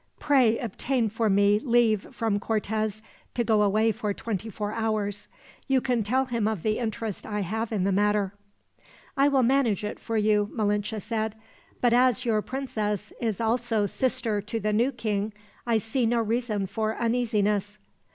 Pray obtain for me leave from Cortez to go away for twenty four hours. You can tell him of the interest I have in the matter." "I will manage it for you," Malinche said; "but as your princess is also sister to the new king, I see no reason for uneasiness."